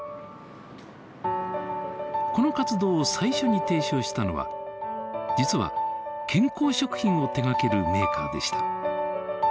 この活動を最初に提唱したのは実は健康食品を手がけるメーカーでした。